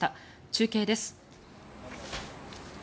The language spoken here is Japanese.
中継です。